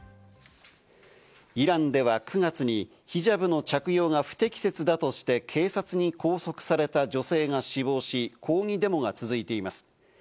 イランでは９月にヒジャブの着用が不適切だとして警察に拘束された女性が死亡し、抗議デモが続いています。